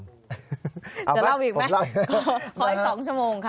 จะเล่าอีกไหมขออีก๒ชั่วโมงค่ะ